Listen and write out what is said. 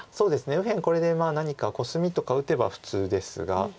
これで何かコスミとか打てば普通ですが。